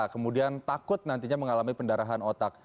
kemudian takut nantinya mengalami pendarahan otak